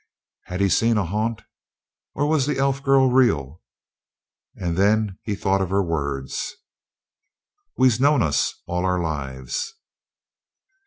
Had he seen a haunt? Or was the elf girl real? And then he thought of her words: "We'se known us all our lives."